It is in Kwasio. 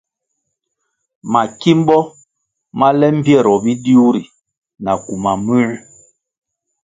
Makimbo ma le mbpieroh bidiu ri na kuma múer,